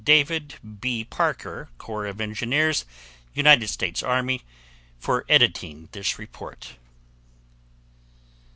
David B. Parker, Corps of Engineers, United States Army, for editing this report.